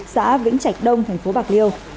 xã vĩnh trạch đông thành phố bạc liêu